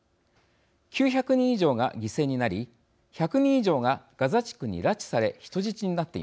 ９００人以上が犠牲になり１００人以上がガザ地区に拉致され人質になっています。